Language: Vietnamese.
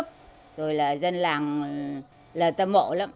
một mươi hai trò diễn phong phú và đặc sắc